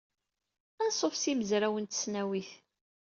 Anṣuf s yimezrawen n tesnawit.